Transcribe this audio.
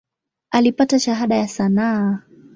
Alipata Shahada ya sanaa.